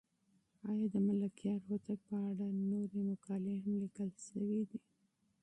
آیا د ملکیار هوتک په اړه نورې مقالې هم لیکل شوې دي؟